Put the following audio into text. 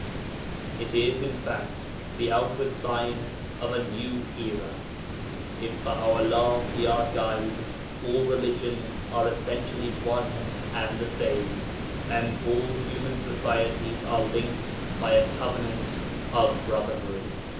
It is, in fact, the outward sign of a new era. If Baha 'ullah be our guide, all religions are essentially one and the same, and all human societies are linked By a covenant of brotherhood.